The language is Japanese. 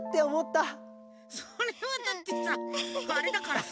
それはだってさあれだからさ。